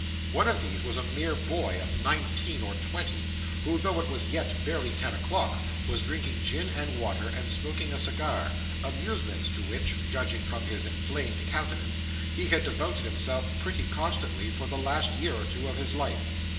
One of these was a mere boy of nineteen or twenty, who, though it was yet barely ten o'clock, was drinking gin and water, and smoking a cigar amusements to which, judging from his inflamed countenance, he had devoted himself pretty constantly for the last year or two of his life.